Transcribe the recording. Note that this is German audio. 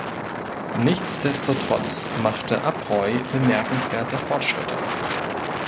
Nichtsdestotrotz machte Abreu bemerkenswerte Fortschritte.